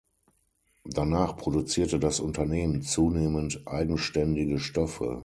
Danach produzierte das Unternehmen zunehmend eigenständige Stoffe.